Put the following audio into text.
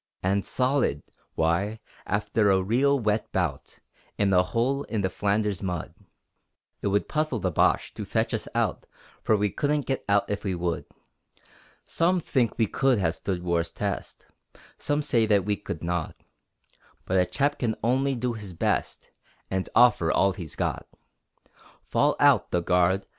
And solid! Why, after a real wet bout In a hole in the Flanders mud, It would puzzle the Boche to fetch us out, For we couldn't get out if we would! Some think we could have stood war's test, Some say that we could not, But a chap can only do his best, And offer all he's got. Fall out, the guard!